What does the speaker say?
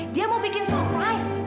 dia mau bikin surprise